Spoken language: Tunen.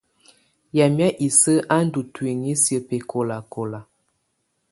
Yamɛ̀á isǝ́ á ndù ntuinyii siǝ́ bɛkɔlakɔla.